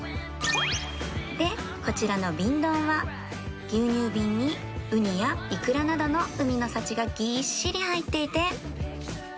でこちらの瓶ドンは牛乳瓶にウニやイクラなどの海の幸がぎっしり入っていて